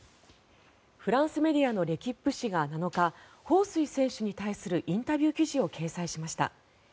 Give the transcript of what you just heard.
フランスメディアのレキップ紙が７日ホウ・スイ選手に対するインタビュー記事を掲載しました。